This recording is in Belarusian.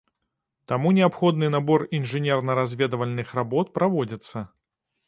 Таму неабходны набор інжынерна-разведвальных работ праводзіцца.